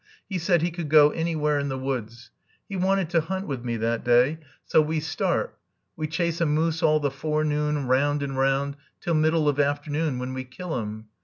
He said he could go anywhere in the woods. He wanted to hunt with me that day, so we start. We chase a moose all the forenoon, round and round, till middle of afternoon, when we kill him.